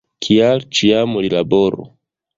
Kial ĉiam li laboru!